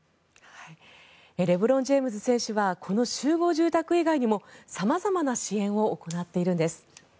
レブロン・ジェームズ選手はこの集合住宅以外にも様々な支援を行っているんです。